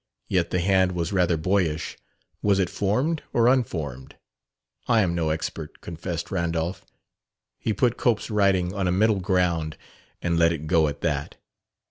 Yet the hand was rather boyish. Was it formed or unformed? "I am no expert," confessed Randolph. He put Cope's writing on a middle ground and let it go at that.